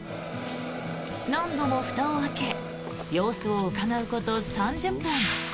何度もふたを開け様子をうかがうこと３０分。